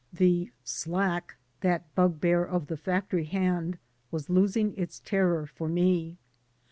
The "slack/* that bugbear of the factory hand, was losing its terror for me.